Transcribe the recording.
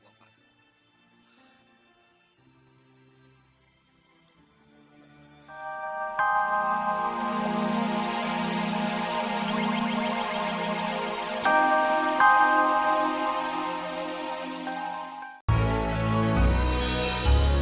ada di mana